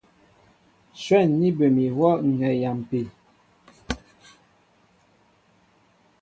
Shwɛ̂n ní bə mi ihwɔ́ ŋ̀ hɛɛ a yampi.